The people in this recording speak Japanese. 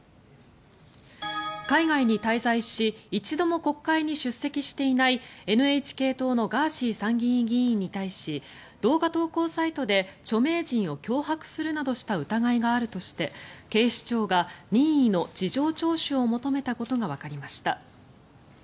海外に滞在し一度も国会に出席していないＮＨＫ党のガーシー参議院議員に対し動画投稿サイトで著名人を脅迫するなどした疑いがあるとして警視庁が任意の事情聴取を求めたことがわかりました。